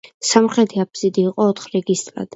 სამხრეთი აფსიდი იყოფა ოთხ რეგისტრად.